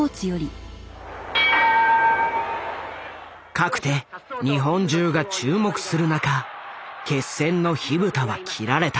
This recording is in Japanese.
かくて日本中が注目する中決戦の火蓋は切られた。